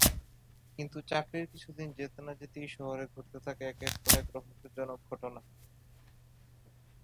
কিন্তু চাকরির কিছুদিন যেতে না যেতেই শহরে ঘটতে থাকে একের পর এক রহস্যজনক ঘটনা।